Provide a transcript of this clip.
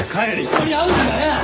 人に会うんだよ！